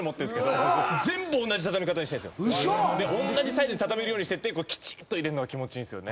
⁉同じサイズに畳めるようにしててきちっと入れるのが気持ちいい。